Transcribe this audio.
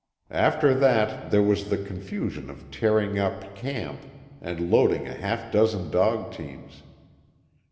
After that there was the confusion of tearing up camp and loading a half dozen dog teams.